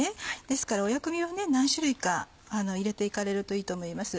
ですから薬味を何種類か入れて行かれるといいと思います。